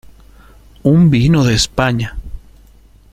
un vino de España.